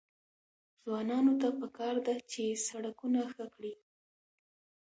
ځوانانو ته پکار ده چې، سړکونه ښه کړي.